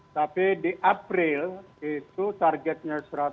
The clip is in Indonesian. tapi di april itu targetnya satu ratus sembilan puluh empat ribu ton